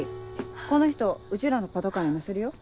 この人うちらのパトカーに乗せるよ。